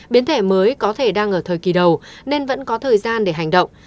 biến thể mới có thể đang ở thời kỳ đầu nên vẫn có thời gian để hành động